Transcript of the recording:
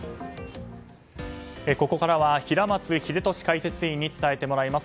ここからは平松秀敏解説委員に伝えてもらいます。